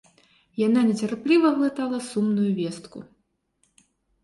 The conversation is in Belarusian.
Яна нецярпліва глытала сумную вестку.